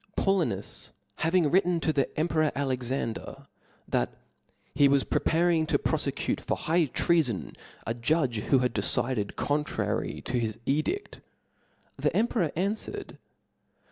TDAULINUS having written to the emperor * Alexander, that *^ he was preparing to pro ^* fecute for high treafon, a judge who had decided contrary to his edict j'* the emperor anfwered, "that tt O F L A W S.